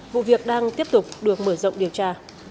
vụ việc đang tiếp tục được mở rộng điều tra